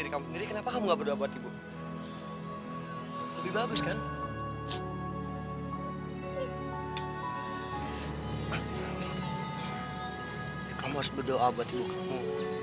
kamu harus berdoa buat ibu kamu